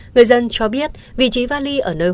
người dân cho biết vị trí vali ở nơi